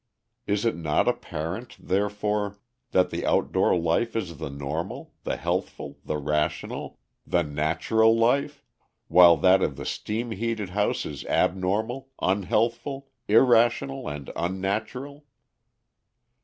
Is it not apparent, therefore, that the outdoor life is the normal, the healthful, the rational, the natural life, while that of the steam heated house is abnormal, unhealthful, irrational, and unnatural?